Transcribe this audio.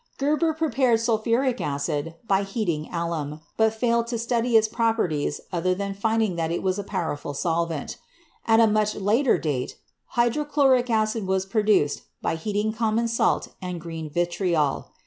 Geber prepared sulphuric acid by heating alum, but failed to study its properties other than finding that it was a powerful solvent. At a much later date, hydrochloric acid was prepared by heating common salt and green vitriol.